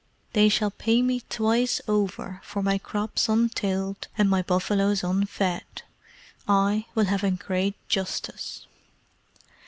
They shall pay me twice over for my crops untilled and my buffaloes unfed. I will have a great justice."